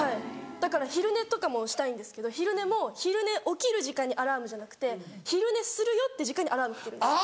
だから昼寝とかもしたいんですけど昼寝も昼寝起きる時間にアラームじゃなくて昼寝するよって時間にアラームかけるんです。